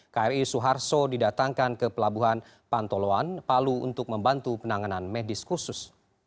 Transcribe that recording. kri suharto didatangkan ke pelabuhan pantoloan palu untuk membantu penanganan medis khusus